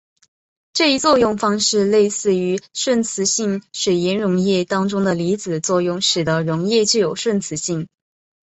这一作用方式类似于顺磁性水盐溶液当中的离子作用使得溶液具有顺磁性。